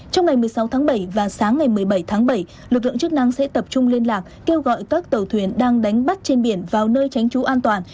trong ngày một mươi sáu tháng bảy và sáng ngày một mươi bảy tháng bảy lực lượng chức năng sẽ tập trung liên lạc kêu gọi các tàu thuyền đang đánh bắt trên biển vào nơi tránh trú an toàn